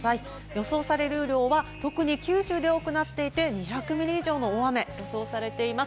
予想される雨量は、特に九州で多くなっていて、２００ミリ以上の大雨が予想されています。